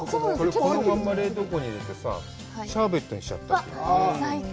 このまんま冷凍庫に入れてね、シャーベットにしちゃったらどう。